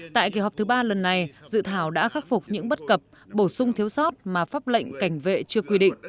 tại kỳ họp thứ ba lần này dự thảo đã khắc phục những bất cập bổ sung thiếu sót mà pháp lệnh cảnh vệ chưa quy định